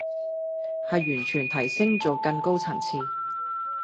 係完全提升做更高層次